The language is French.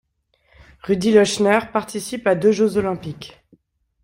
Rudi Lochner participe à deux Jeux olympiques.